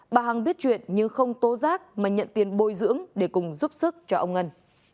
bà hằng biết chuyện nhưng không tố rác mà nhận tiền bồi dưỡng để cùng giúp sức cho ông ngân